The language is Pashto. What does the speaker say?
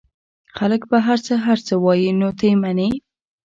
خلک به هرڅه هرڅه وايي نو ته يې منې؟